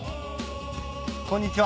こんにちは